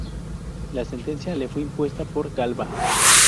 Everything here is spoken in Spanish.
La sentencia le fue impuesta por Galba.